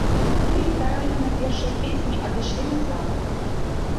Мы літаральна на першай песні адышлі назад.